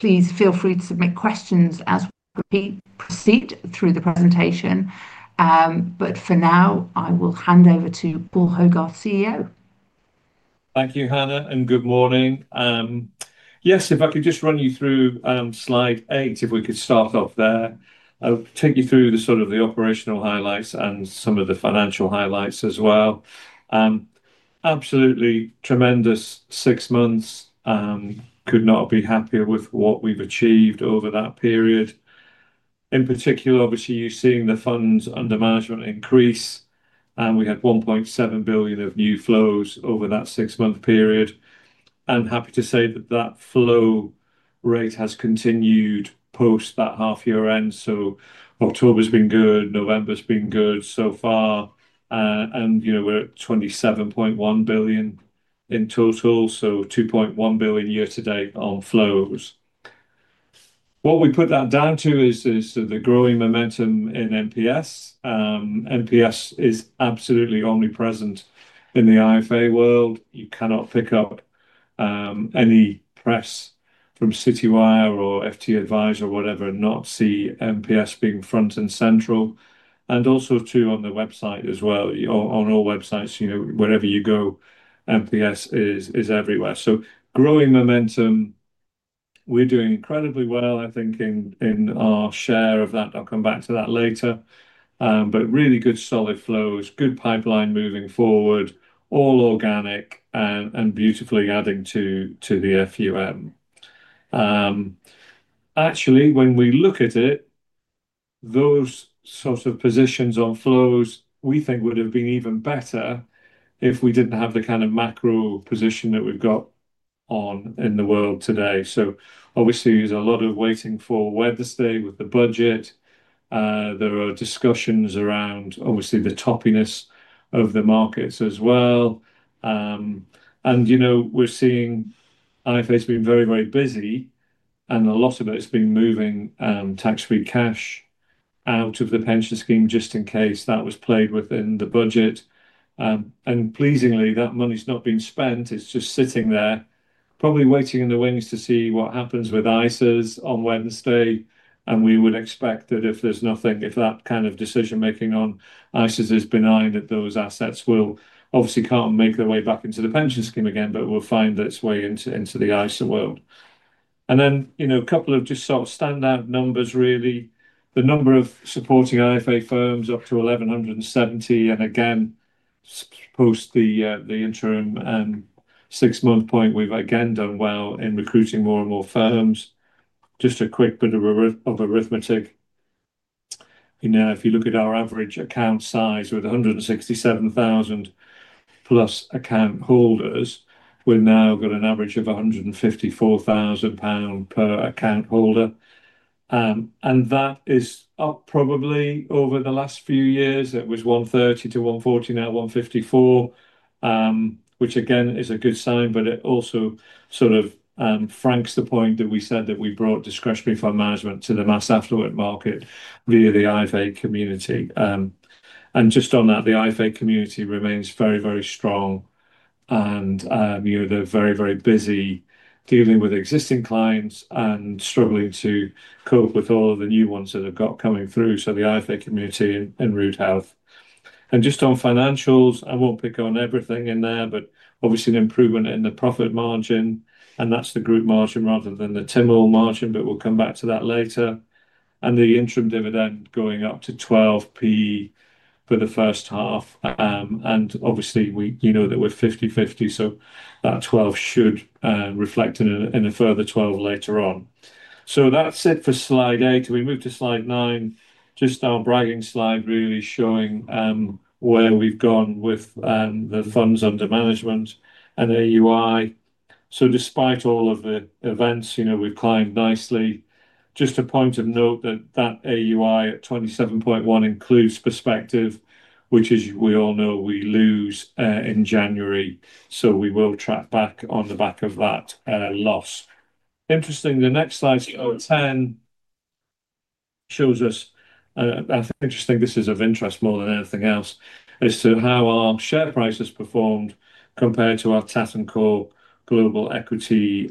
Please feel free to submit questions as we proceed through the presentation. For now, I will hand over to Paul Hogarth, CEO. Thank you, Hannah, and good morning. Yes, if I could just run you through slide eight, if we could start off there. I'll take you through the sort of the operational highlights and some of the financial highlights as well. Absolutely tremendous six months. Could not be happier with what we've achieved over that period. In particular, obviously, you're seeing the funds under management increase. We had 1.7 billion of new flows over that six-month period. I'm happy to say that that flow rate has continued post that half-year end. October's been good. November's been good so far. We are at 27.1 billion in total. So 2.1 billion year-to-date on flows. What we put that down to is the growing momentum in MPS. MPS is absolutely omnipresent in the IFA world. You cannot pick up any press from CityWire or FT Advisor, whatever, and not see MPS being front and central. Also, on the website as well. On all websites, wherever you go, MPS is everywhere. Growing momentum. We're doing incredibly well, I think, in our share of that. I'll come back to that later. Really good solid flows, good pipeline moving forward, all organic and beautifully adding to the FUM. Actually, when we look at it, those sort of positions on flows we think would have been even better if we didn't have the kind of macro position that we've got on in the world today. Obviously, there's a lot of waiting for Wednesday with the budget. There are discussions around, obviously, the toppiness of the markets as well. We're seeing IFA has been very, very busy, and a lot of it has been moving tax-free cash out of the pension scheme just in case that was played within the budget. Pleasingly, that money's not been spent. It's just sitting there, probably waiting in the wings to see what happens with ISAs on Wednesday. We would expect that if there's nothing, if that kind of decision-making on ISAs is benign, those assets will obviously can't make their way back into the pension scheme again, but will find its way into the ISA world. A couple of just sort of standout numbers, really. The number of supporting IFA firms up to 1,170. Again, post the interim six-month point, we've again done well in recruiting more and more firms. Just a quick bit of arithmetic. Now, if you look at our average account size with 167,000 plus account holders, we have now got an average of 154,000 pound per account holder. That is up probably over the last few years. It was 130,000-140,000, now 154,000, which again is a good sign, but it also sort of franks the point that we said that we brought discretionary fund management to the mass affluent market via the IFA community. Just on that, the IFA community remains very, very strong. They are very, very busy dealing with existing clients and struggling to cope with all of the new ones that have got coming through. The IFA community and Route Health. Just on financials, I will not pick on everything in there, but obviously an improvement in the profit margin. That is the group margin rather than the TIML margin, but we will come back to that later. The interim dividend going up to 0.12 for the first half. Obviously, you know that we are 50/50, so that 0.12 should reflect in a further 0.12 later on. That is it for slide eight. We move to slide nine, just our bragging slide, really showing where we have gone with the funds under management and AUI. Despite all of the events, we have climbed nicely. Just a point of note that that AUI at 27.1 billion includes Perspective, which, as we all know, we lose in January 2026. We will track back on the back of that loss. Interesting, the next slide, slide 10, shows us, and I think this is of interest more than anything else, as to how our share price has performed compared to our Tatton Corp Global Equity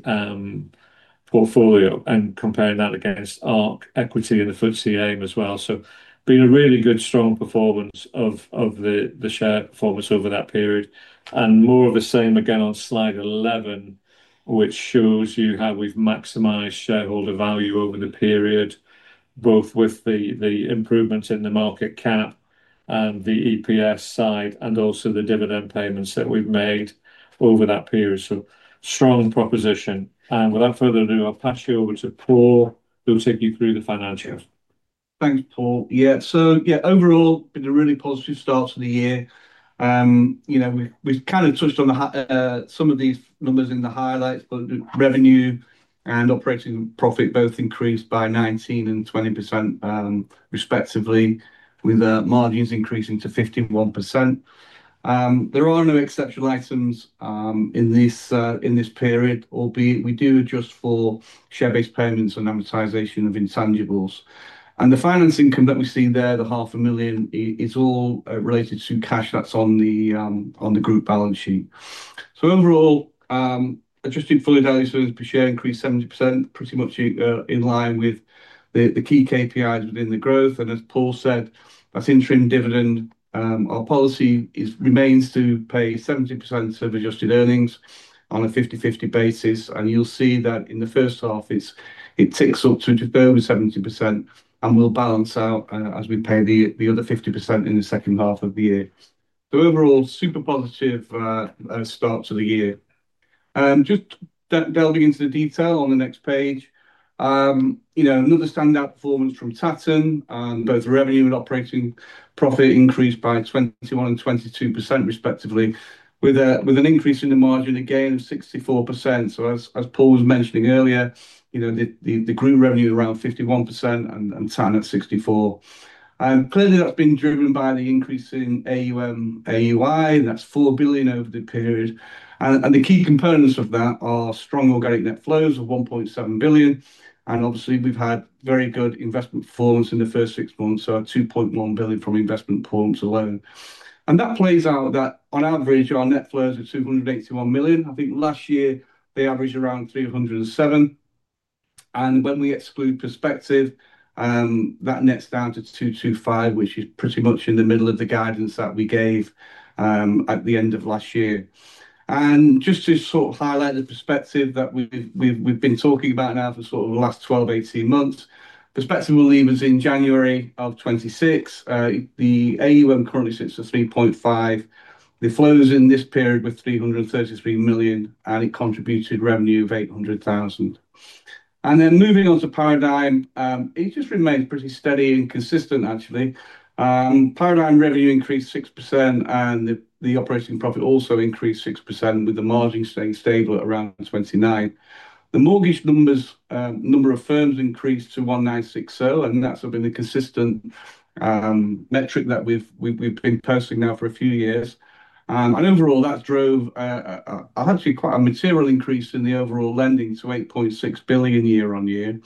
portfolio and comparing that against ARC Equity and the FTSE AM as well. Been a really good, strong performance of the share performance over that period. More of the same again on slide 11, which shows you how we've maximized shareholder value over the period, both with the improvements in the market cap and the EPS side and also the dividend payments that we've made over that period. Strong proposition. Without further ado, I'll pass you over to Paul, who'll take you through the financials. Thanks, Paul. Yeah. So yeah, overall, been a really positive start to the year. We've kind of touched on some of these numbers in the highlights, but revenue and operating profit both increased by 19% and 20% respectively, with margins increasing to 51%. There are no exceptional items in this period, albeit we do adjust for share-based payments and amortization of intangibles. The financing that we see there, the 500,000, is all related to cash that's on the group balance sheet. Overall, adjusting fully to earnings per share increased 70%, pretty much in line with the key KPIs within the growth. As Paul said, that's interim dividend. Our policy remains to pay 70% of adjusted earnings on a 50/50 basis. You will see that in the first half, it ticks up to a deferred 70% and will balance out as we pay the other 50% in the second half of the year. Overall, super positive start to the year. Just delving into the detail on the next page, another standout performance from Tatton. Both revenue and operating profit increased by 21% and 22%, respectively, with an increase in the margin again of 64%. As Paul was mentioning earlier, the group revenue around 51% and Tatton at 64%. Clearly, that has been driven by the increase in AUI. That is 4 billion over the period. The key components of that are strong organic net flows of 1.7 billion. Obviously, we have had very good investment performance in the first six months, so 2.1 billion from investment performance alone. That plays out that on average, our net flows are 281 million. I think last year, they averaged around 307 million. When we exclude Perspective, that nets down to 225 million, which is pretty much in the middle of the guidance that we gave at the end of last year. Just to sort of highlight the Perspective that we've been talking about now for the last 12-18 months, Perspective will leave us in January of 2026. The AUM currently sits at 3.5 billion. The flows in this period were 333 million, and it contributed revenue of 800,000. Moving on to Paradigm, it just remains pretty steady and consistent, actually. Paradigm revenue increased 6%, and the operating profit also increased 6%, with the margin staying stable at around 29%. The mortgage number of firms increased to 1,960, and that's been a consistent metric that we've been posting now for a few years. Overall, that drove actually quite a material increase in the overall lending to 8.6 billion year on year,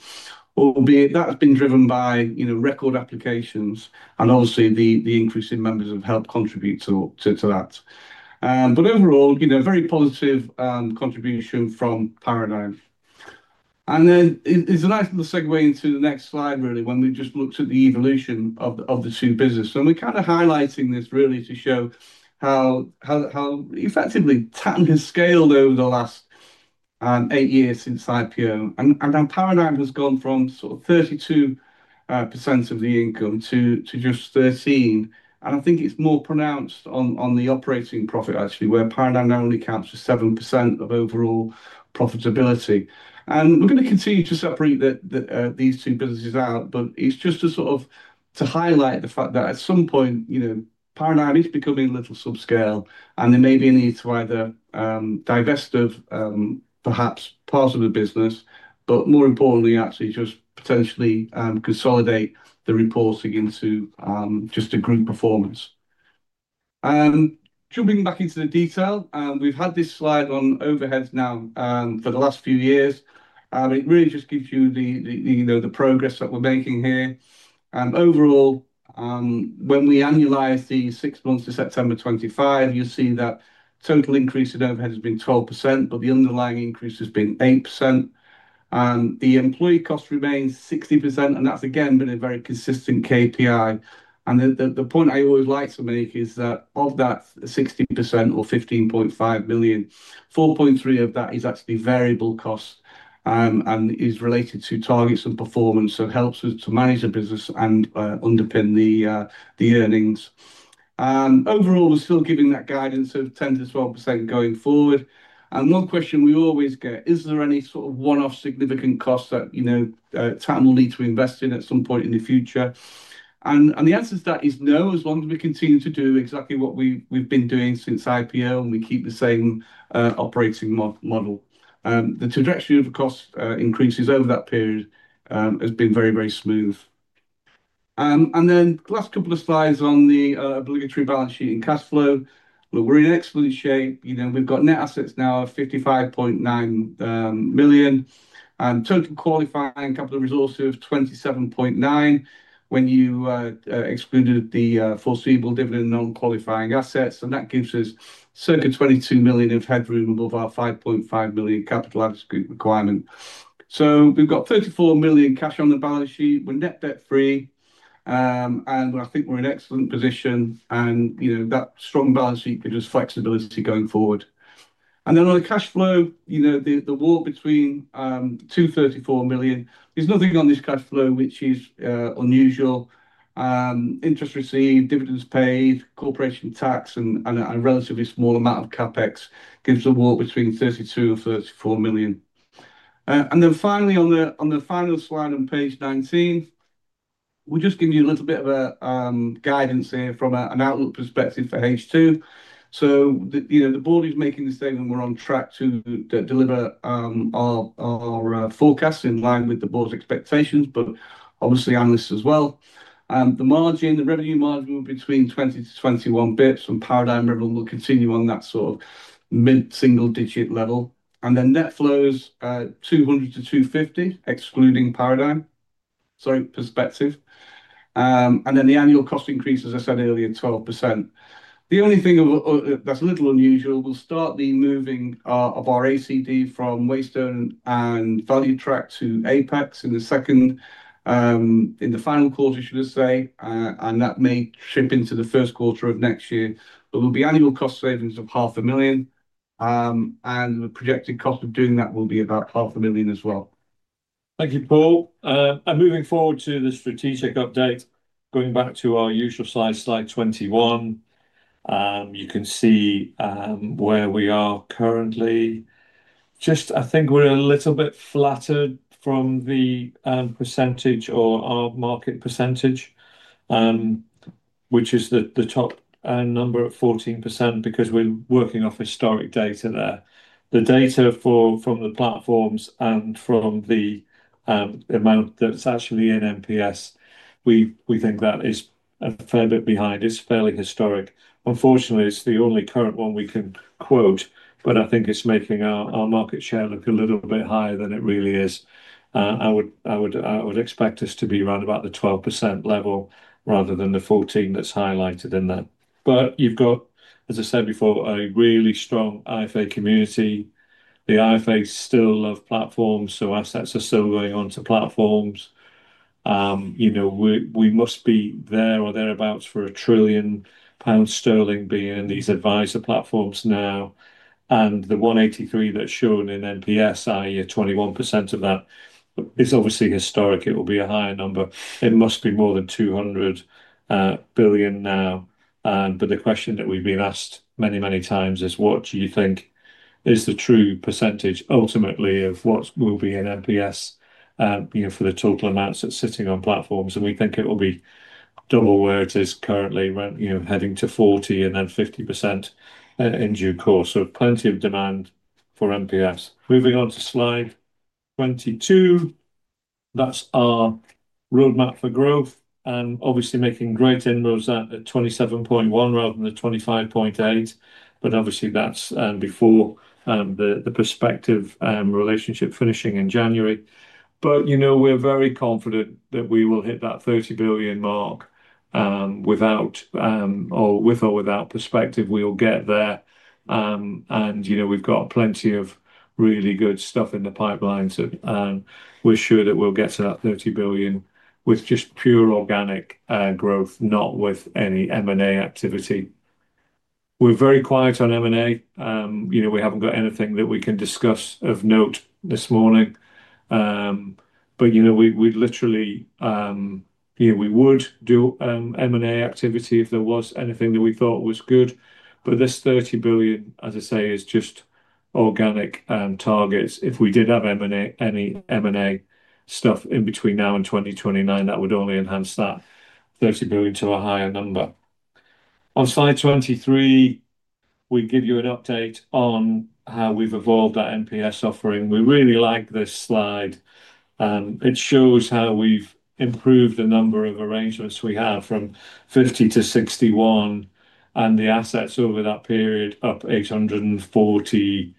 albeit that's been driven by record applications. Obviously, the increase in members have helped contribute to that. Overall, very positive contribution from Paradigm. It is a nice little segue into the next slide, really, when we just looked at the evolution of the two businesses. We're kind of highlighting this really to show how effectively Tatton has scaled over the last eight years since IPO. Now Paradigm has gone from sort of 32% of the income to just 13%. I think it's more pronounced on the operating profit, actually, where Paradigm now only counts for 7% of overall profitability. We are going to continue to separate these two businesses out, but it is just to sort of highlight the fact that at some point, Paradigm is becoming a little subscale, and there may be a need to either divest of perhaps part of the business, but more importantly, actually just potentially consolidate the reporting into just a group performance. Jumping back into the detail, we have had this slide on overheads now for the last few years. It really just gives you the progress that we are making here. Overall, when we annualize the six months to September 2025, you will see that total increase in overhead has been 12%, but the underlying increase has been 8%. The employee cost remains 60%, and that has again been a very consistent KPI. The point I always like to make is that of that 16% or 15.5 million, 4.3 million of that is actually variable cost and is related to targets and performance that helps us to manage the business and underpin the earnings. Overall, we're still giving that guidance of 10%-12% going forward. One question we always get, is there any sort of one-off significant cost that Tatton will need to invest in at some point in the future? The answer to that is no, as long as we continue to do exactly what we've been doing since IPO and we keep the same operating model. The trajectory of cost increases over that period has been very, very smooth. The last couple of slides on the obligatory balance sheet and cash flow. Look, we're in excellent shape. We've got net assets now of 55.9 million. Total qualifying capital resource of 27.9 million when you excluded the foreseeable dividend non-qualifying assets. That gives us circa 22 million of headroom above our 5.5 million capital out of script requirement. We have 34 million cash on the balance sheet. We are net debt free. I think we are in excellent position. That strong balance sheet gives us flexibility going forward. On the cash flow, the war between 23 million-34 million. There is nothing on this cash flow which is unusual. Interest received, dividends paid, corporation tax, and a relatively small amount of CapEx gives a war between 32 million- 34 million. Finally, on the final slide on page 19, we will just give you a little bit of guidance here from an outlook perspective for H2. The board is making the statement we're on track to deliver our forecast in line with the board's expectations, but obviously on this as well. The revenue margin will be between 20-21 basis points, and Paradigm revenue will continue on that sort of mid-single digit level. Net flows, 200-250, excluding Paradigm, sorry, Perspective. The annual cost increase, as I said earlier, 12%. The only thing that's a little unusual, we'll start the moving of our ACD from Wasted and Value Track to Apex in the final quarter, should I say. That may shift into the first quarter of next year. It will be annual cost savings of 500,000. The projected cost of doing that will be about 500,000 as well. Thank you, Paul. Moving forward to the strategic update, going back to our usual slide, slide 21, you can see where we are currently. I think we're a little bit flattered from the percentage or our market percentage, which is the top number at 14% because we're working off historic data there. The data from the platforms and from the amount that's actually in MPS, we think that is a fair bit behind. It's fairly historic. Unfortunately, it's the only current one we can quote, but I think it's making our market share look a little bit higher than it really is. I would expect us to be around about the 12% level rather than the 14% that's highlighted in that. You've got, as I said before, a really strong IFA community. The IFA still love platforms, so assets are still going onto platforms. We must be there or thereabouts for 1 trillion pounds being in these advisor platforms now. And the 183 that's shown in MPS, i.e., 21% of that, is obviously historic. It will be a higher number. It must be more than 200 billion now. But the question that we've been asked many, many times is, what do you think is the true percentage ultimately of what will be in MPS for the total amounts that's sitting on platforms? And we think it will be double where it is currently, heading to 40% and then 50% in due course. So plenty of demand for MPS. Moving on to slide 22. That's our roadmap for growth. And obviously, making great inroads at 27.1 rather than the 25.8. But obviously, that's before the Perspective relationship finishing in January. We are very confident that we will hit that 30 billion mark with or without Perspective. We will get there. We have plenty of really good stuff in the pipeline. We are sure that we will get to that 30 billion with just pure organic growth, not with any M&A activity. We are very quiet on M&A. We have not got anything that we can discuss of note this morning. We literally would do M&A activity if there was anything that we thought was good. This 30 billion, as I say, is just organic targets. If we did have any M&A stuff in between now and 2029, that would only enhance that 30 billion to a higher number. On slide 23, we give you an update on how we have evolved that MPS offering. We really like this slide. It shows how we've improved the number of arrangements we have from 50-61 and the assets over that period up 840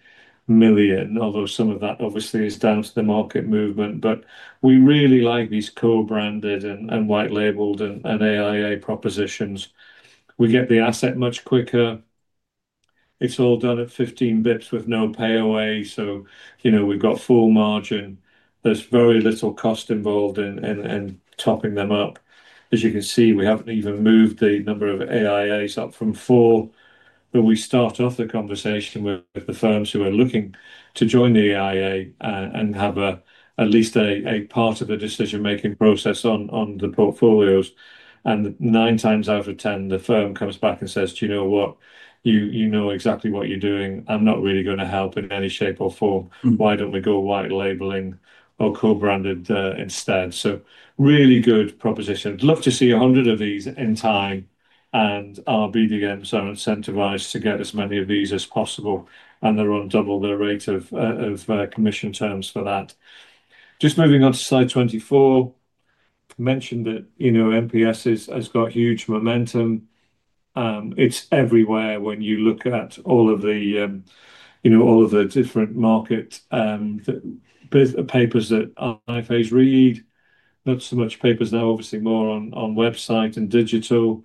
million, although some of that obviously is down to the market movement. We really like these co-branded and white-labeled and AIA propositions. We get the asset much quicker. It is all done at 15 basis points with no payaway. We have full margin. There is very little cost involved in topping them up. As you can see, we have not even moved the number of AIAs up from four. We start off the conversation with the firms who are looking to join the AIA and have at least a part of the decision-making process on the portfolios. Nine times out of ten, the firm comes back and says, "Do you know what? You know exactly what you're doing. I'm not really going to help in any shape or form. Why don't we go white-labeling or co-branded instead? Really good proposition. I'd love to see 100 of these in time and be again so incentivized to get as many of these as possible. They're on double the rate of commission terms for that. Just moving on to slide 24. I mentioned that MPS has got huge momentum. It's everywhere when you look at all of the different market papers that IFAs read. Not so much papers now, obviously more on website and digital.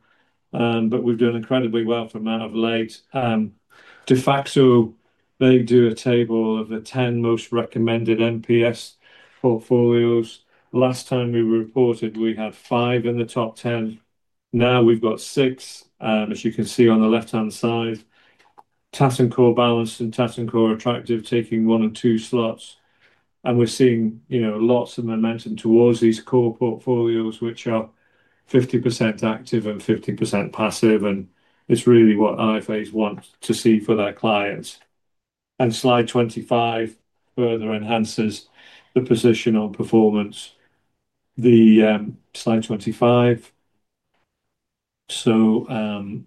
We've done incredibly well from now of late. De facto, they do a table of the 10 most recommended MPS portfolios. Last time we reported, we had five in the top 10. Now we've got six, as you can see on the left-hand side. Tatton Core Balance and Tatton Core Attractive taking one of two slots. We are seeing lots of momentum towards these core portfolios, which are 50% active and 50% passive. It is really what IFAs want to see for their clients. Slide 25 further enhances the position on performance. Slide 25. On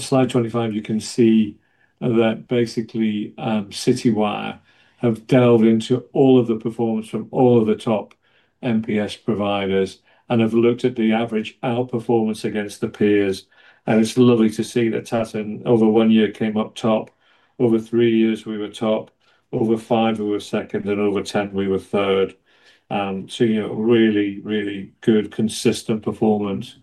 slide 25, you can see that basically CityWire have delved into all of the performance from all of the top MPS providers and have looked at the average outperformance against the peers. It is lovely to see that Tatton over one year came up top, over three years we were top, over five we were second, and over ten we were third. Really, really good consistent performance.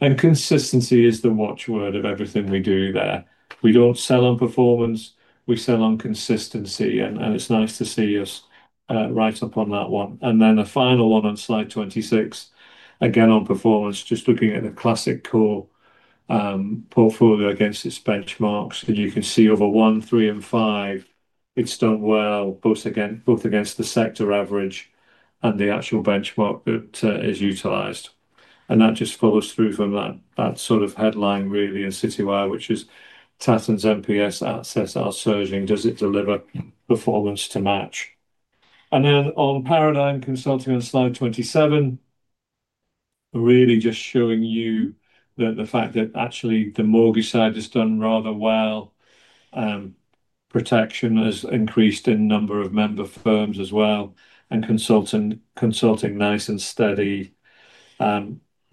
Consistency is the watchword of everything we do there. We do not sell on performance. We sell on consistency. It is nice to see us right up on that one. The final one on slide 26, again on performance, just looking at the classic core portfolio against its benchmarks. You can see over one, three, and five, it has done well, both against the sector average and the actual benchmark that is utilized. That just follows through from that sort of headline really in CityWire, which is Tatton's MPS assets are surging. Does it deliver performance to match? On Paradigm Consulting on slide 27, really just showing you the fact that actually the mortgage side has done rather well. Protection has increased in number of member firms as well and consulting nice and steady. We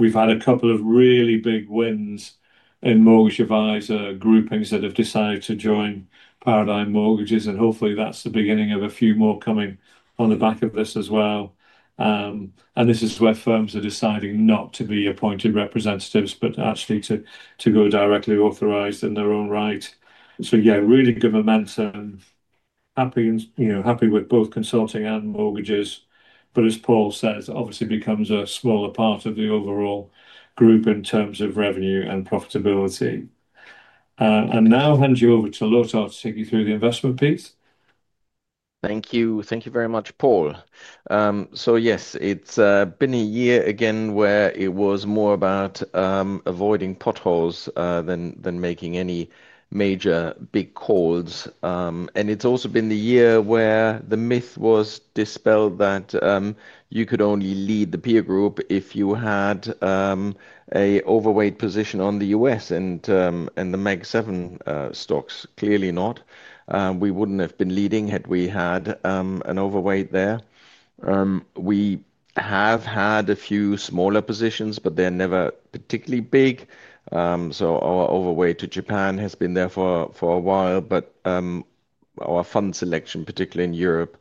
have had a couple of really big wins in mortgage advisor groupings that have decided to join Paradigm Mortgages. Hopefully that's the beginning of a few more coming on the back of this as well. This is where firms are deciding not to be appointed representatives, but actually to go directly authorized in their own right. Yeah, really good momentum. Happy with both consulting and mortgages. As Paul says, obviously becomes a smaller part of the overall group in terms of revenue and profitability. I now hand you over to Lothar to take you through the investment piece. Thank you. Thank you very much, Paul. Yes, it has been a year again where it was more about avoiding potholes than making any major big calls. It has also been the year where the myth was dispelled that you could only lead the peer group if you had an overweight position on the U.S. and the Mag 7 stocks. Clearly not. We would not have been leading had we had an overweight there. We have had a few smaller positions, but they are never particularly big. Our overweight to Japan has been there for a while. Our fund selection, particularly in Europe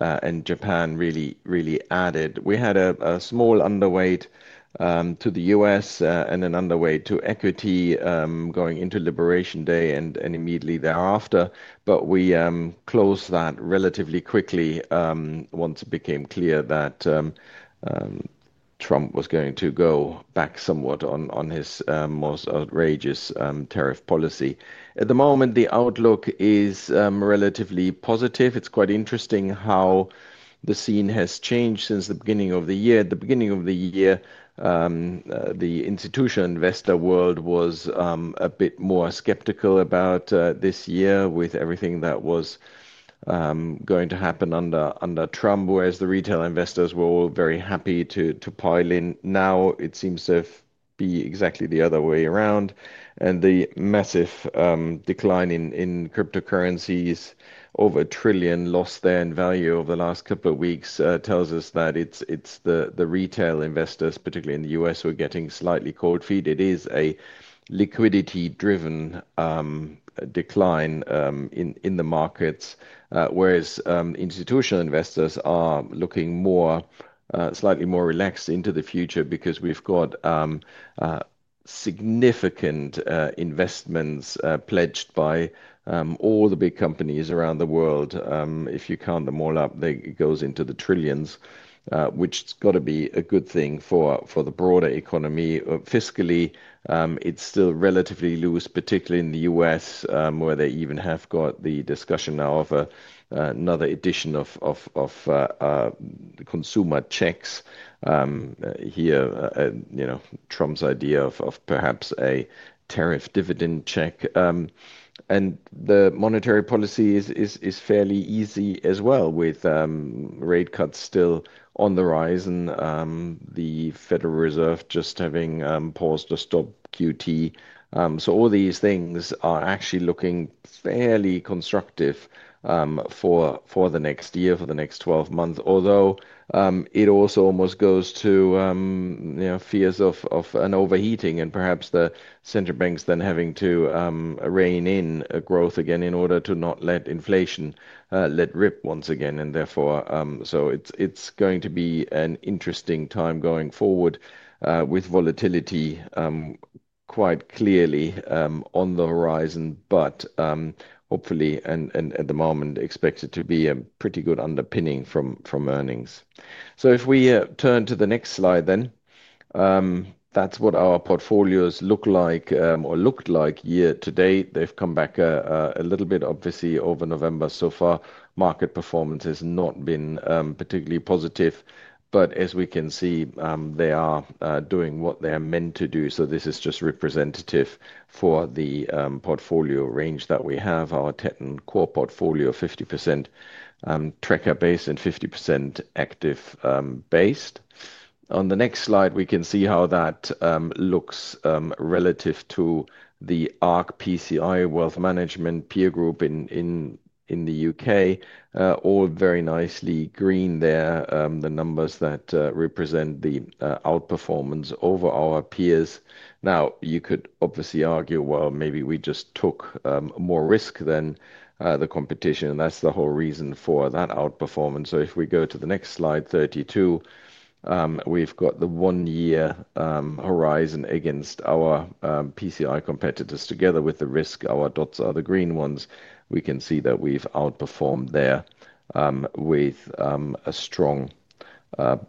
and Japan, really, really added. We had a small underweight to the U.S. and an underweight to equity going into Liberation Day and immediately thereafter. We closed that relatively quickly once it became clear that Trump was going to go back somewhat on his most outrageous tariff policy. At the moment, the outlook is relatively positive. It's quite interesting how the scene has changed since the beginning of the year. At the beginning of the year, the institutional investor world was a bit more skeptical about this year with everything that was going to happen under Trump, whereas the retail investors were all very happy to pile in. Now it seems to be exactly the other way around. The massive decline in cryptocurrencies, over $1 trillion lost there in value over the last couple of weeks, tells us that it's the retail investors, particularly in the U.S., who are getting slightly cold feet. It is a liquidity-driven decline in the markets, whereas institutional investors are looking slightly more relaxed into the future because we've got significant investments pledged by all the big companies around the world. If you count them all up, it goes into the trillions, which has got to be a good thing for the broader economy. Fiscally, it's still relatively loose, particularly in the U.S., where they even have got the discussion now of another edition of consumer checks here, Trump's idea of perhaps a tariff dividend check. The monetary policy is fairly easy as well with rate cuts still on the horizon, the Federal Reserve just having paused to stop QT. All these things are actually looking fairly constructive for the next year, for the next 12 months, although it also almost goes to fears of an overheating and perhaps the central banks then having to rein in growth again in order to not let inflation let rip once again. Therefore, it is going to be an interesting time going forward with volatility quite clearly on the horizon, but hopefully at the moment expected to be a pretty good underpinning from earnings. If we turn to the next slide then, that is what our portfolios look like or looked like year to date. They have come back a little bit, obviously, over November so far. Market performance has not been particularly positive, but as we can see, they are doing what they are meant to do. This is just representative for the portfolio range that we have, our Tatton Core portfolio, 50% tracker based and 50% active based. On the next slide, we can see how that looks relative to the ARC PCI Wealth Management peer group in the U.K., all very nicely green there, the numbers that represent the outperformance over our peers. Now, you could obviously argue, maybe we just took more risk than the competition, and that is the whole reason for that outperformance. If we go to the next slide, 32, we have the one-year horizon against our PCI competitors together with the risk, our dots are the green ones. We can see that we have outperformed there with a strong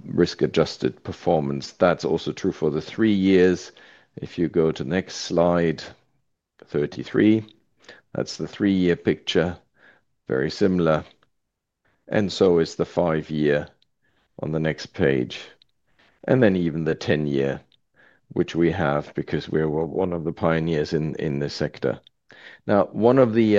risk-adjusted performance. That is also true for the three years. If you go to the next slide, 33, that is the three-year picture, very similar. The five-year is on the next page. Even the 10-year, which we have because we're one of the pioneers in this sector. One of the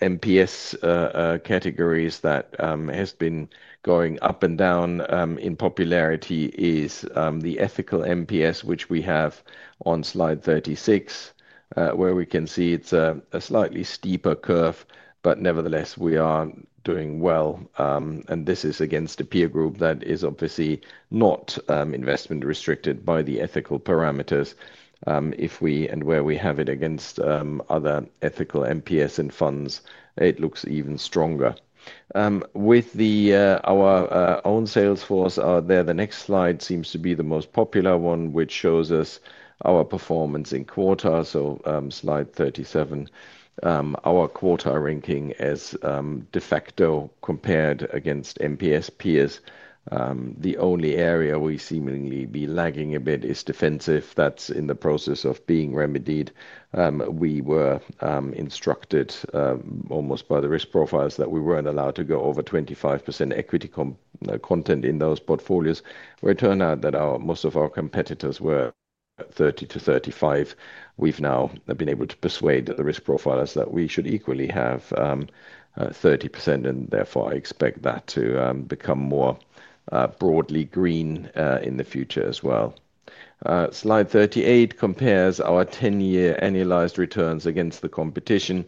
MPS categories that has been going up and down in popularity is the ethical MPS, which we have on slide 36, where we can see it's a slightly steeper curve, but nevertheless, we are doing well. This is against a peer group that is obviously not investment-restricted by the ethical parameters. If we have it against other ethical MPS and funds, it looks even stronger. With our own sales force out there, the next slide seems to be the most popular one, which shows us our performance in quarters. Slide 37, our quarter ranking as de facto compared against MPS peers. The only area we seemingly be lagging a bit is defensive. That's in the process of being remedied. We were instructed almost by the risk profiles that we were not allowed to go over 25% equity content in those portfolios, where it turned out that most of our competitors were 30-35%. We have now been able to persuade the risk profiles that we should equally have 30%, and therefore I expect that to become more broadly green in the future as well. Slide 38 compares our 10-year annualized returns against the competition,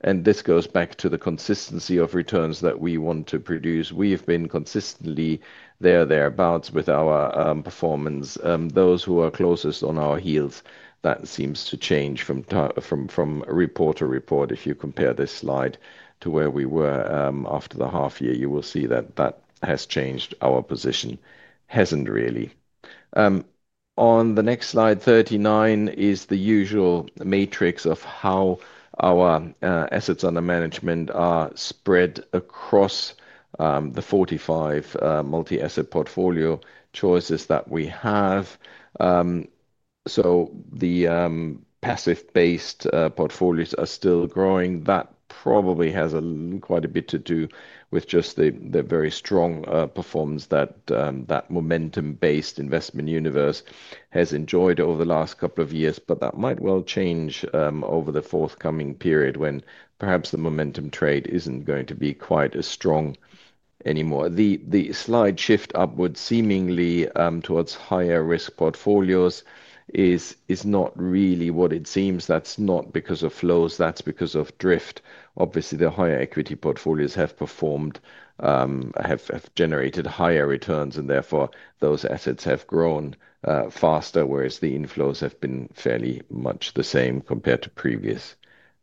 and this goes back to the consistency of returns that we want to produce. We have been consistently there, thereabouts with our performance. Those who are closest on our heels, that seems to change from report to report. If you compare this slide to where we were after the half year, you will see that that has changed. Our position has not really. On the next slide, 39 is the usual matrix of how our assets under management are spread across the 45 multi-asset portfolio choices that we have. The passive-based portfolios are still growing. That probably has quite a bit to do with just the very strong performance that that momentum-based investment universe has enjoyed over the last couple of years, but that might well change over the forthcoming period when perhaps the momentum trade is not going to be quite as strong anymore. The slide shift upwards seemingly towards higher risk portfolios is not really what it seems. That is not because of flows. That is because of drift. Obviously, the higher equity portfolios have performed, have generated higher returns, and therefore those assets have grown faster, whereas the inflows have been fairly much the same compared to previous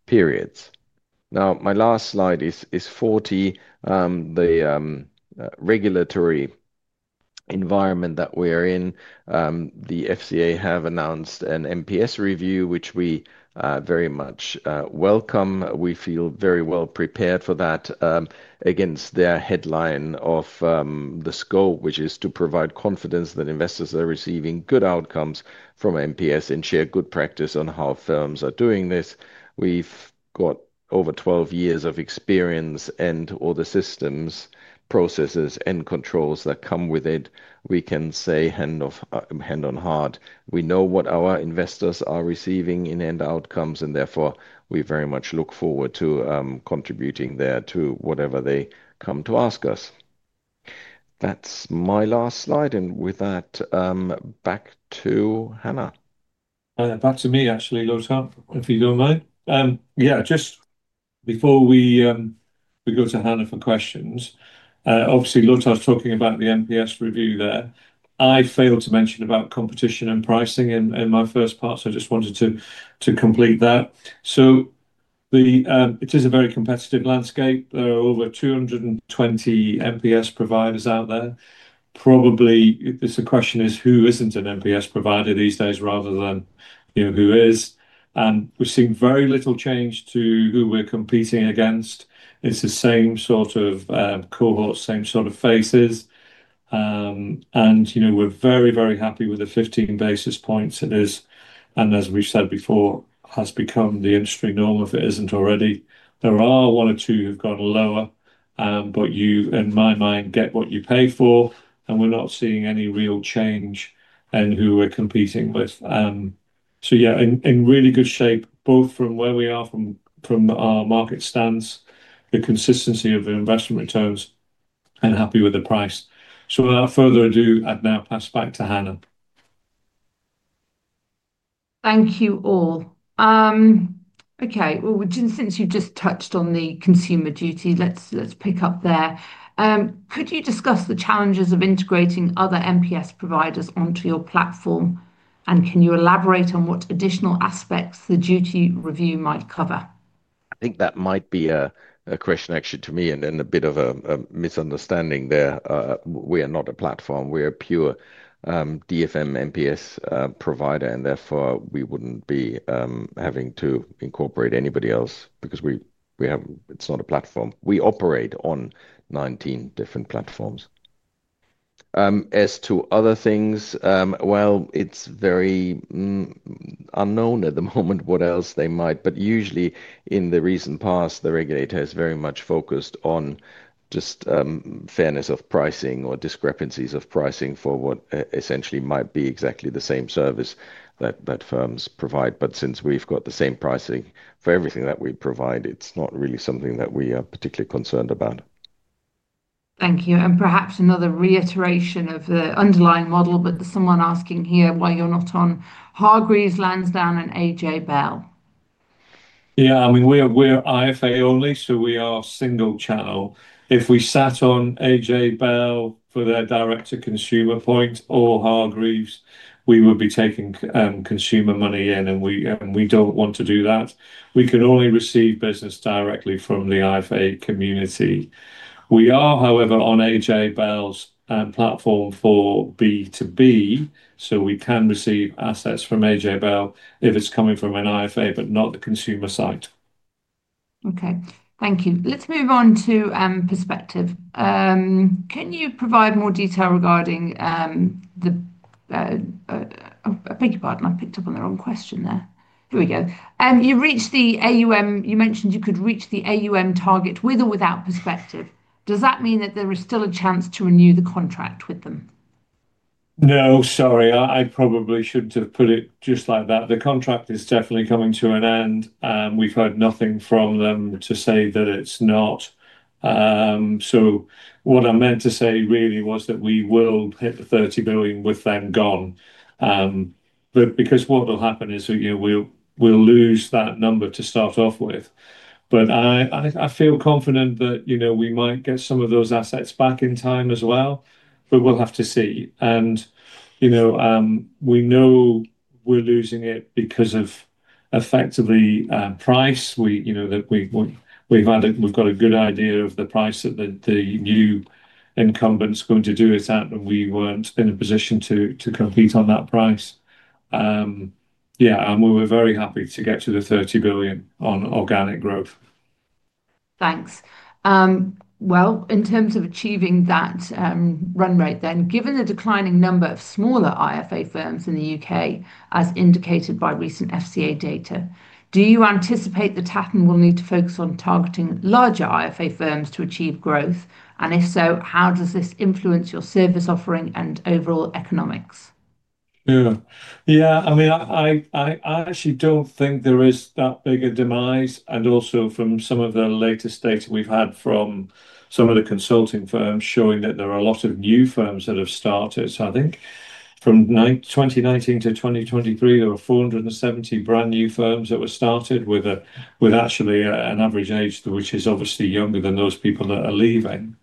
periods. Now, my last slide is 40, the regulatory environment that we are in. The FCA have announced an MPS review, which we very much welcome. We feel very well prepared for that against their headline of the scope, which is to provide confidence that investors are receiving good outcomes from MPS and share good practice on how firms are doing this. We have got over 12 years of experience and all the systems, processes, and controls that come with it. We can say hand on heart, we know what our investors are receiving in end outcomes, and therefore we very much look forward to contributing there to whatever they come to ask us. That is my last slide. With that, back to Hannah. Back to me, actually, Lothar, if you do not mind. Yeah, just before we go to Hannah for questions, obviously, Lothar is talking about the MPS review there. I failed to mention about competition and pricing in my first part, so I just wanted to complete that. It is a very competitive landscape. There are over 220 MPS providers out there. Probably the question is, who is not an MPS provider these days rather than who is? We have seen very little change to who we are competing against. It is the same sort of cohort, same sort of faces. We are very, very happy with the 15 basis points it is. As we have said before, it has become the industry norm if it is not already. There are one or two who've gone lower, but you, in my mind, get what you pay for, and we're not seeing any real change in who we're competing with. Yeah, in really good shape, both from where we are, from our market stance, the consistency of investment returns, and happy with the price. Without further ado, I'd now pass back to Hannah. Thank you all. Okay, since you've just touched on the consumer duty, let's pick up there. Could you discuss the challenges of integrating other MPS providers onto your platform, and can you elaborate on what additional aspects the duty review might cover? I think that might be a question actually to me and then a bit of a misunderstanding there. We are not a platform. We are a pure DFM MPS provider, and therefore we would not be having to incorporate anybody else because it is not a platform. We operate on 19 different platforms. As to other things, it is very unknown at the moment what else they might, but usually in the recent past, the regulator has very much focused on just fairness of pricing or discrepancies of pricing for what essentially might be exactly the same service that firms provide. Since we have the same pricing for everything that we provide, it is not really something that we are particularly concerned about. Thank you. Perhaps another reiteration of the underlying model, but there is someone asking here why you are not on Hargreaves Lansdown and AJ Bell. Yeah, I mean, we're IFA only, so we are single channel. If we sat on AJ Bell for their direct-to-consumer point or Hargreaves, we would be taking consumer money in, and we don't want to do that. We can only receive business directly from the IFA community. We are, however, on AJ Bell's platform for B2B, so we can receive assets from AJ Bell if it's coming from an IFA, but not the consumer site. Okay, thank you. Let's move on to Perspective. Can you provide more detail regarding the—thank you, pardon, I picked up on the wrong question there. Here we go. You mentioned you could reach the AUM target with or without Perspective. Does that mean that there is still a chance to renew the contract with them? No, sorry, I probably shouldn't have put it just like that. The contract is definitely coming to an end, and we've heard nothing from them to say that it's not. What I meant to say really was that we will hit the 30 billion with them gone. What will happen is we'll lose that number to start off with. I feel confident that we might get some of those assets back in time as well, but we'll have to see. We know we're losing it because of effectively price. We've got a good idea of the price that the new incumbent is going to do it at, and we weren't in a position to compete on that price. Yeah, we were very happy to get to the 30 billion on organic growth. Thanks. In terms of achieving that run rate then, given the declining number of smaller IFA firms in the U.K., as indicated by recent FCA data, do you anticipate that Tatton will need to focus on targeting larger IFA firms to achieve growth? If so, how does this influence your service offering and overall economics? Yeah, yeah, I mean, I actually don't think there is that big a demise. Also, from some of the latest data we've had from some of the consulting firms showing that there are a lot of new firms that have started. I think from 2019-2023, there were 470 brand new firms that were started with actually an average age, which is obviously younger than those people that are leaving.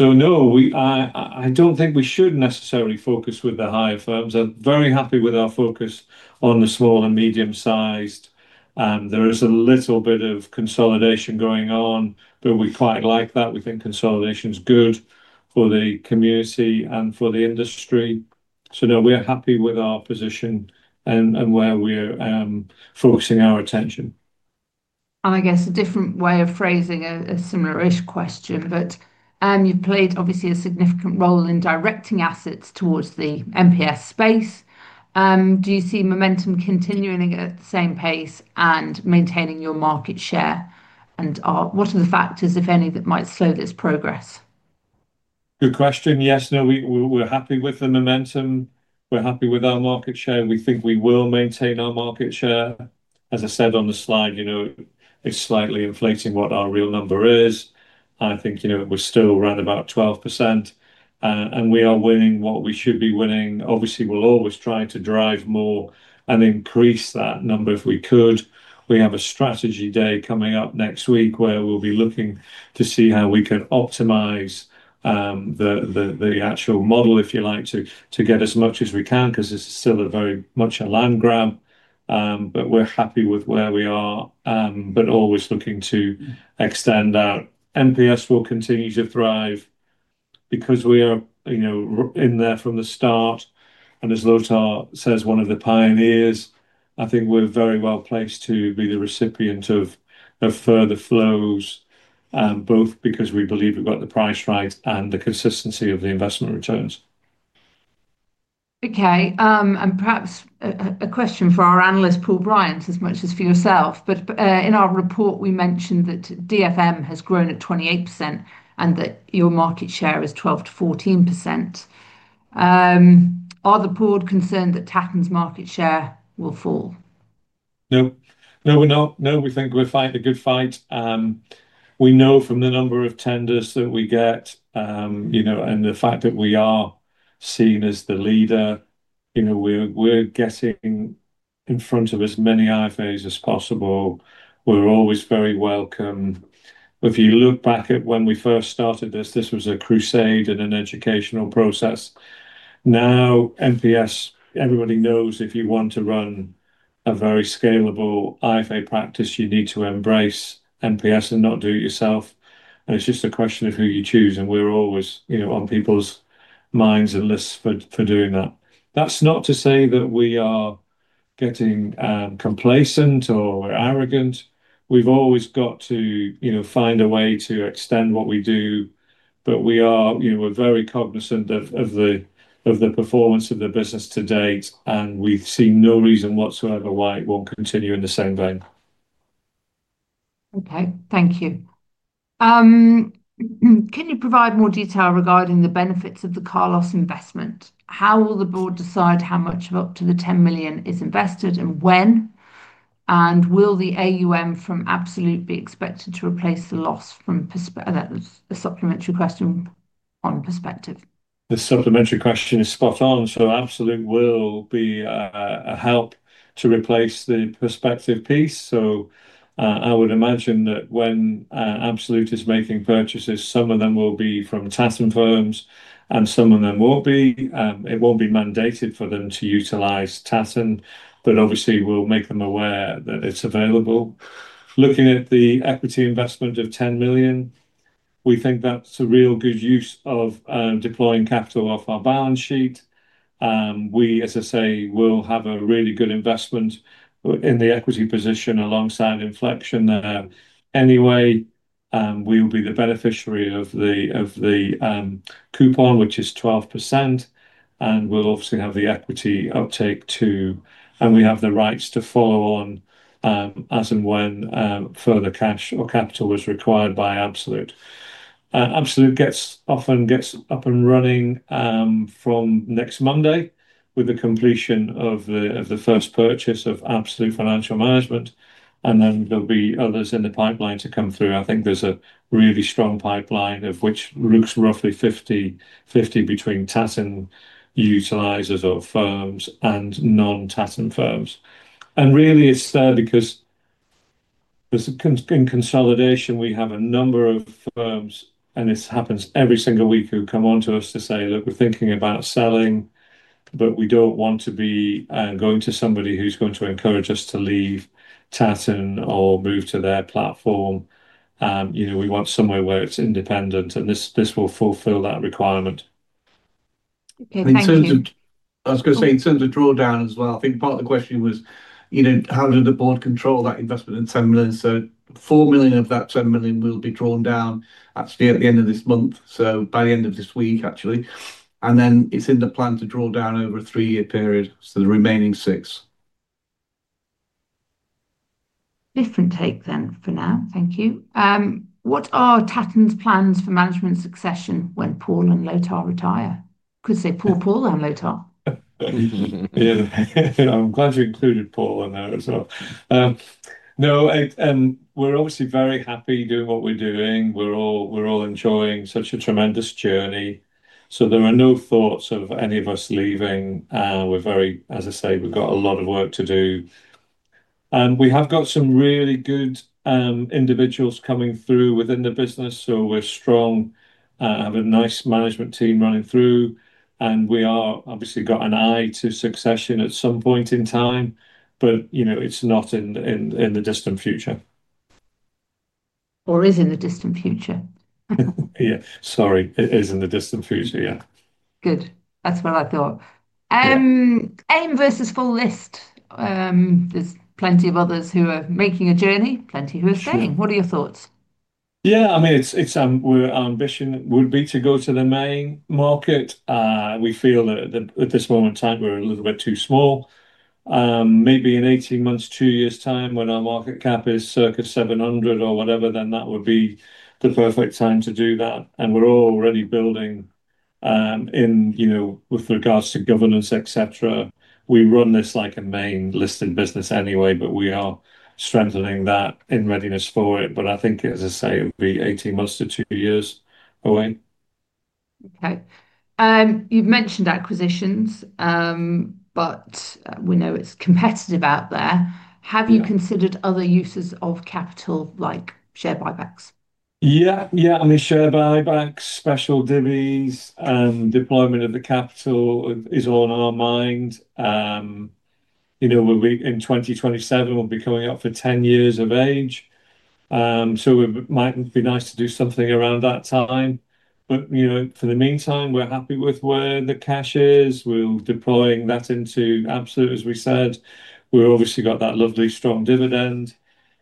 No, I don't think we should necessarily focus with the higher firms. I'm very happy with our focus on the small and medium-sized. There is a little bit of consolidation going on, but we quite like that. We think consolidation is good for the community and for the industry. No, we're happy with our position and where we're focusing our attention. I guess a different way of phrasing a similar-ish question, but you've played obviously a significant role in directing assets towards the MPS space. Do you see momentum continuing at the same pace and maintaining your market share? What are the factors, if any, that might slow this progress? Good question. Yes, no, we're happy with the momentum. We're happy with our market share. We think we will maintain our market share. As I said on the slide, it's slightly inflating what our real number is. I think we're still around about 12%, and we are winning what we should be winning. Obviously, we'll always try to drive more and increase that number if we could. We have a strategy day coming up next week where we'll be looking to see how we can optimize the actual model, if you like, to get as much as we can because this is still very much a land grab. We're happy with where we are, but always looking to extend out. MPS will continue to thrive because we are in there from the start. As Lothar says, one of the pioneers, I think we're very well placed to be the recipient of further flows, both because we believe we've got the price right and the consistency of the investment returns. Okay, and perhaps a question for our analyst, Paul Bryant, as much as for yourself. In our report, we mentioned that DFM has grown at 28% and that your market share is 12%-14%. Are the board concerned that Tatton's market share will fall? No, no, we're not. No, we think we're fighting a good fight. We know from the number of tenders that we get and the fact that we are seen as the leader. We're getting in front of as many IFAs as possible. We're always very welcome. If you look back at when we first started this, this was a crusade and an educational process. Now, MPS, everybody knows if you want to run a very scalable IFA practice, you need to embrace MPS and not do it yourself. It's just a question of who you choose, and we're always on people's minds and lists for doing that. That's not to say that we are getting complacent or arrogant. We've always got to find a way to extend what we do, but we're very cognizant of the performance of the business to date, and we see no reason whatsoever why it won't continue in the same vein. Okay, thank you. Can you provide more detail regarding the benefits of the car loss investment? How will the board decide how much of up to 10 million is invested and when? Will the AUM from Absolute be expected to replace the loss from—that was a supplementary question on Perspective. The supplementary question is spot on. Absolute will be a help to replace the Perspective piece. I would imagine that when Absolute is making purchases, some of them will be from Tatton firms and some of them will not be. It will not be mandated for them to utilize Tatton, but obviously, we will make them aware that it is available. Looking at the equity investment of 10 million, we think that is a real good use of deploying capital off our balance sheet. We, as I say, will have a really good investment in the equity position alongside Inflection there. Anyway, we will be the beneficiary of the coupon, which is 12%, and we will obviously have the equity uptake too, and we have the rights to follow on as and when further cash or capital is required by Absolute. Absolute often gets up and running from next Monday with the completion of the first purchase of Absolute Financial Management, and there will be others in the pipeline to come through. I think there is a really strong pipeline which looks roughly 50/50 between Tatton utilizers or firms and non-Tatton firms. It is there because in consolidation, we have a number of firms, and this happens every single week, who come on to us to say, "Look, we are thinking about selling, but we do not want to be going to somebody who is going to encourage us to leave Tatton or move to their platform. We want somewhere where it is independent, and this will fulfill that requirement. Okay, thank you. I was going to say in terms of drawdown as well, I think part of the question was, how does the board control that investment in 10 million? 4 million of that 10 million will be drawn down actually at the end of this month, actually by the end of this week. It is in the plan to draw down over a three-year period, so the remaining six. Different take then for now. Thank you. What are Tatton's plans for management succession when Paul and Lothar retire? Could say Paul, Paul, and Lothar. Yeah, I'm glad you included Paul in there as well. No, we're obviously very happy doing what we're doing. We're all enjoying such a tremendous journey. There are no thoughts of any of us leaving. We're very, as I say, we've got a lot of work to do. We have got some really good individuals coming through within the business, so we're strong. We have a nice management team running through, and we have obviously got an eye to succession at some point in time, but it's not in the distant future. Is in the distant future? Yeah, sorry, it is in the distant future, yeah. Good. That's what I thought. Aim versus full list. There's plenty of others who are making a journey, plenty who are staying. What are your thoughts? Yeah, I mean, our ambition would be to go to the main market. We feel that at this moment in time, we're a little bit too small. Maybe in 18 months, two years' time, when our market cap is circa 700 million or whatever, then that would be the perfect time to do that. We are already building with regards to governance, etc. We run this like a main listed business anyway, but we are strengthening that in readiness for it. I think, as I say, it would be 18 months to two years away. Okay. You've mentioned acquisitions, but we know it's competitive out there. Have you considered other uses of capital like share buybacks? Yeah, yeah, I mean, share buybacks, special divvies, and deployment of the capital is all on our mind. In 2027, we will be coming up for 10 years of age. It might be nice to do something around that time. For the meantime, we are happy with where the cash is. We are deploying that into Absolute, as we said. We have obviously got that lovely strong dividend.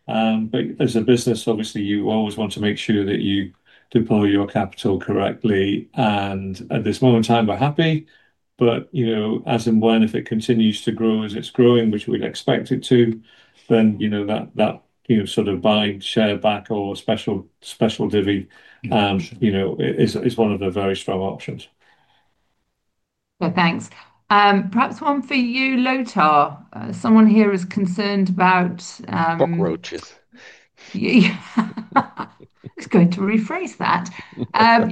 As a business, obviously, you always want to make sure that you deploy your capital correctly. At this moment in time, we are happy. As and when, if it continues to grow as it is growing, which we would expect it to, then that sort of buying share back or special divvy is one of the very strong options. Yeah, thanks. Perhaps one for you, Lothar. Someone here is concerned about. Cockroaches. Yeah. I was going to rephrase that.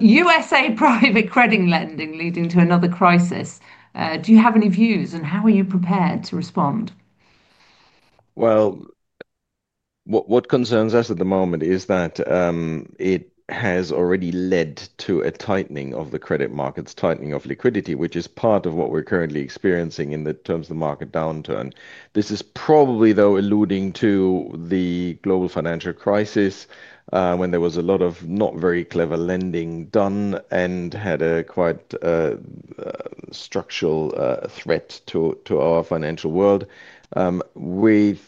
U.S.A. private credit lending leading to another crisis. Do you have any views, and how are you prepared to respond? What concerns us at the moment is that it has already led to a tightening of the credit markets, tightening of liquidity, which is part of what we're currently experiencing in terms of the market downturn. This is probably, though, alluding to the global financial crisis when there was a lot of not very clever lending done and had a quite structural threat to our financial world. With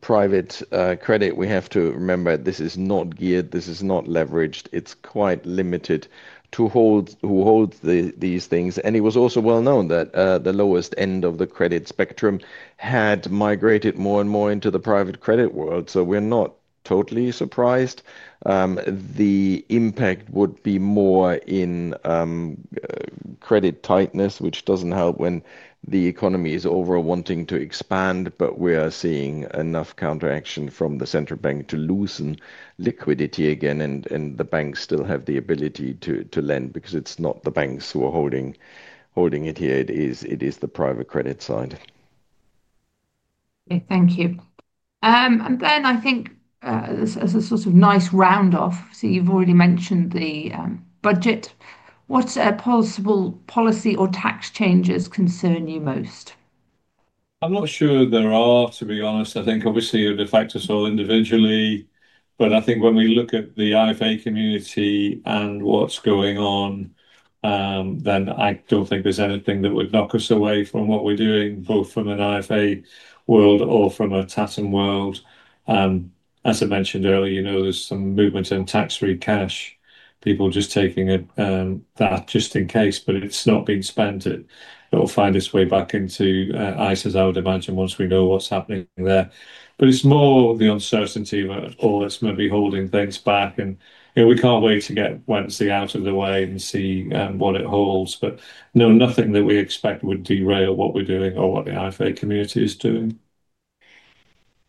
private credit, we have to remember this is not geared, this is not leveraged. It is quite limited to who holds these things. It was also well known that the lowest end of the credit spectrum had migrated more and more into the private credit world. We are not totally surprised. The impact would be more in credit tightness, which does not help when the economy is overall wanting to expand. We are seeing enough counteraction from the central bank to loosen liquidity again, and the banks still have the ability to lend because it's not the banks who are holding it here. It is the private credit side. Okay, thank you. I think as a sort of nice round-off, you have already mentioned the budget. What possible policy or tax changes concern you most? I'm not sure there are, to be honest. I think obviously it affects us all individually. I think when we look at the IFA community and what's going on, then I don't think there's anything that would knock us away from what we're doing, both from an IFA world or from a Tatton world. As I mentioned earlier, there's some movement in tax-free cash, people just taking that just in case, but it's not being spent. It'll find its way back into ISAs, as I would imagine, once we know what's happening there. It's more the uncertainty of all that's maybe holding things back. We can't wait to get Wednesday out of the way and see what it holds. No, nothing that we expect would derail what we're doing or what the IFA community is doing.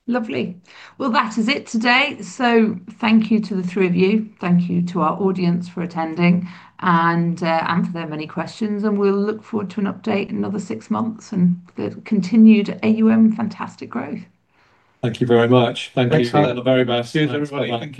Lovely. That is it today. Thank you to the three of you. Thank you to our audience for attending and for their many questions. We will look forward to an update in another six months and continued AUM fantastic growth. Thank you very much. Thank you for that. Thanks Hannah. The very best. everybody. Thank you.